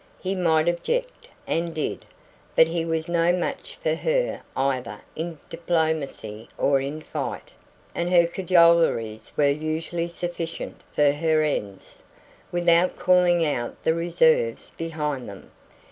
He might object, and did; but he was no match for her either in diplomacy or in fight, and her cajoleries were usually sufficient for her ends, without calling out the reserves behind them.